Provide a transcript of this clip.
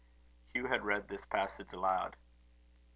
Hugh had read this passage aloud.